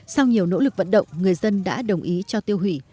sau nhiều nỗ lực vận động người dân đã đồng ý cho tiêu hủy